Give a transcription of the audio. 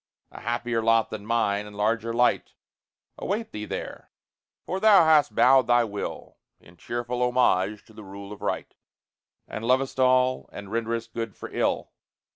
A happier lot than mine, and larger light, Await thee there; for thou hast bowed thy will In cheerful homage to the rule of right, And lovest all, and renderest good for ill.